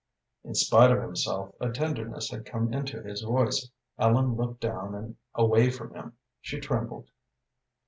In spite of himself a tenderness had come into his voice. Ellen looked down and away from him. She trembled.